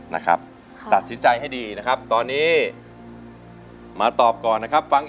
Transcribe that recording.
นะครับตัดสินใจให้ดีนะครับตอนนี้มาตอบก่อนนะครับฟัง